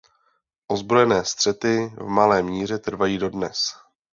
Ozbrojené střety v malé míře trvají dodnes.